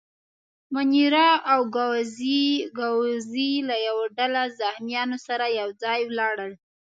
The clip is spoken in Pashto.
مانیرا او ګاووزي له یوه ډله زخیمانو سره یو ځای ولاړل.